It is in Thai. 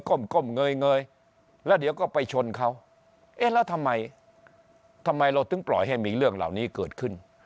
ก้มเงยแล้วเดี๋ยวก็ไปชนเขาเอ๊ะแล้วทำไมทำไมเราถึงปล่อยให้มีเรื่องเหล่านี้เกิดขึ้น